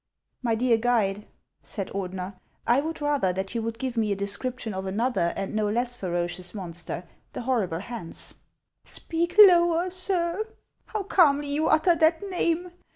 " My dear guide," said Ordener, " I would rather that you would give me a description of another and no less ferocious monster, the horrible Hans." " Speak lower, sir ! How calmly you utter that name